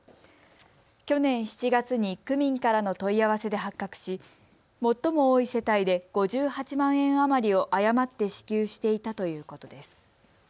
去年７月に区民からの問い合わせで発覚し最も多い世帯で５８万円余りを誤って支給していたということです。